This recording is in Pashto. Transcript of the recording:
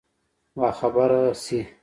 باخبره شي.